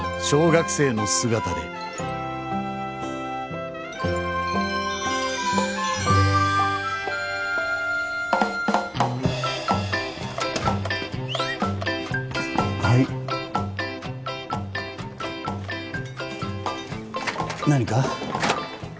小学生の姿ではい何か？